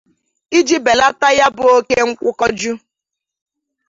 iji belata ya bụ oke nkwụkọju